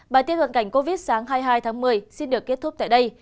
bài tiết luận cảnh covid sáng hai mươi hai tháng một mươi xin được kết thúc tại đây